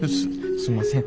すんません